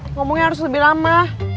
ngomongnya harus lebih lama